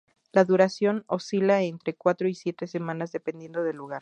La duración oscila entre cuatro y siete semanas, dependiendo del lugar.